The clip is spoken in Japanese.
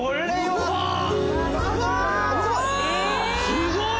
すごい！